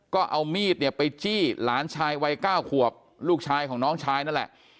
ก็เอามีดเนี่ยไปจี้หลานชายวัย๙ขวบลูกชายของน้องชายนั่นแหละ